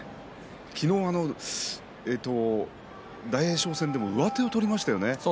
昨日、大栄翔戦でも上手を取りましたね。